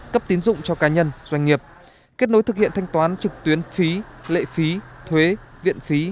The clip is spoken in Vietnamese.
cấp tiến dụng cho cá nhân doanh nghiệp kết nối thực hiện thanh toán trực tuyến phí lệ phí thuế viện phí